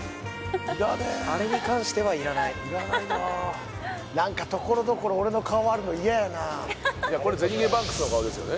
いらねえあれに関してはいらないいらないな何かところどころ俺の顔あるの嫌やないやこれゼニゲバンクスの顔ですよね